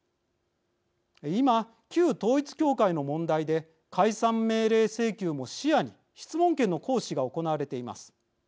今、旧統一教会の問題で解散命令請求も視野に質問権の行使が行われています。